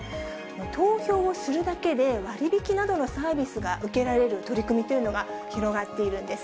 投票をするだけで、割引などのサービスが受けられる取り組みというのが広がっているんです。